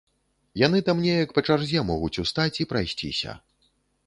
Яны там неяк па чарзе могуць устаць і прайсціся.